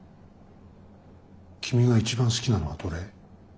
君が一番好きなのはどれ？